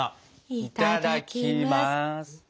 いただきます！